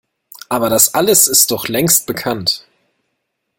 Aber das alles ist doch längst bekannt!